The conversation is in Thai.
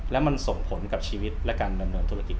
และมันส่งผลกับชีวิตและการดำเนินธุรกิจ